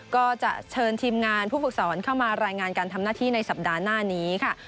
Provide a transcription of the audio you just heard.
ก็จะเชิญทีมงานผู้ฝึกสอนเข้ามารายงานการทำหน้าที่ในสัปดาห์หน้านี้ค่ะ